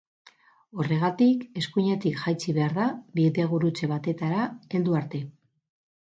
Horregatik, eskuinetik jaitsi behar da, bidegurutze batetara heldu arte.